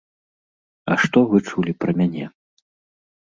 А што вы чулі пра мяне?